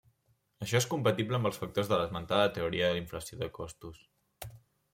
Això és compatible amb els factors de l'esmentada teoria d'inflació de costos.